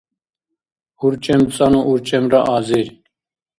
урчӀемцӀанну урчӀемра азир